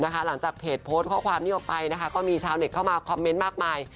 หลังจากเพจโพสต์ข้อความนี้ออกไปนะคะก็มีชาวเน็ตเข้ามาคอมเมนต์มากมาย